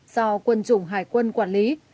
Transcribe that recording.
do quân chủng hải quân quản lý